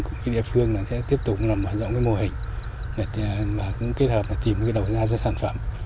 cùng với địa phương là sẽ tiếp tục làm hoạt động cái mô hình và cũng kết hợp tìm cái đầu da cho sản phẩm